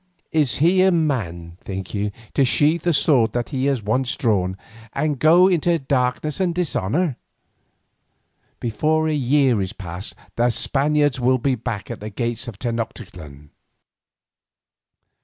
Is he a man, think you, to sheathe the sword that he has once drawn, and go down into darkness and dishonour? Before a year is past the Spaniards will be back at the gates of Tenoctitlan."